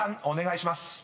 お願いします］